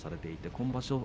今場所